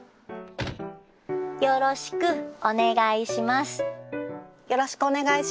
よろしくお願いします。